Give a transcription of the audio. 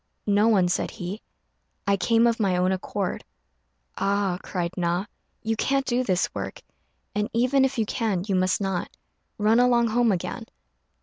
"No one," said he; "I came of my own accord." "Ah," cried Na, "you can't do this work; and even if you can you must not. Run along home again."